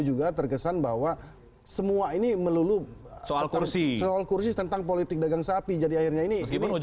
juga terkesan bahwa semua ini melulu ke kursi soal kursi tentang politik dagang sapi jadi akhirnya ini